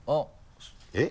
えっ？